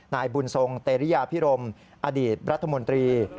นายบุญทรงเตรียพิรมอดีตรัฐมนตรี